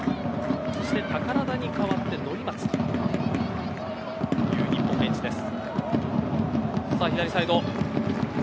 そして宝田に代わって乗松。という日本ベンチです。